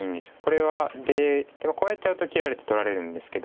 これは出こうやっちゃうと切られて取られるんですけど。